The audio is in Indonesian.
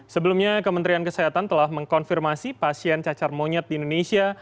sebelumnya kementerian kesehatan telah mengkonfirmasi pasien cacar monyet di indonesia